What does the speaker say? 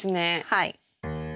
はい。